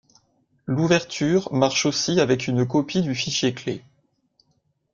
L'ouverture marche aussi avec une copie du fichier-clé.